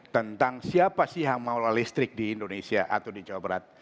tentang siapa sih yang mengelola listrik di indonesia atau di jawa barat